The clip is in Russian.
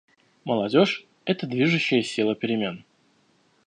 Молодежь — это движущая сила перемен.